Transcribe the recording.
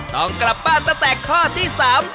ต้องกลับบ้านตั้งแต่ข้อที่สาม